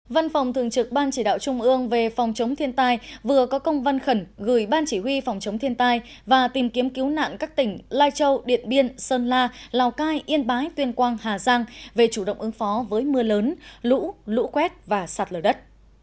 văn phòng thường trực ban chỉ đạo trung ương về phòng chống thiên tai vừa có công văn khẩn gửi ban chỉ huy phòng chống thiên tai và tìm kiếm cứu nạn các tỉnh lai châu điện biên sơn la lào cai yên bái tuyên quang hà giang về chủ động ứng phó với mưa lớn lũ lũ quét và sạt lở đất